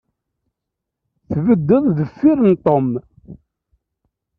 Tbeddeḍ deffir n Tom.